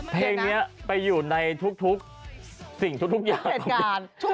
เพลงนี้ไปอยู่ในทุกสิ่งทุกอย่างของงาน